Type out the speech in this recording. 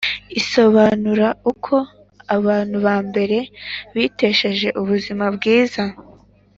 Isobanura uko abantu ba mbere bitesheje ubuzima bwiza